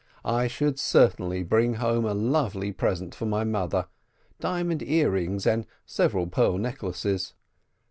I should certainly bring home a lovely present for my mother, diamond ear rings and several pearl necklaces.